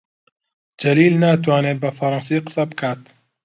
جەلیل ناتوانێت بە فەڕەنسی قسە بکات.